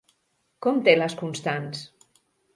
Com té les constants?